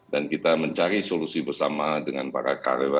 kita mencari solusi bersama dengan para karyawan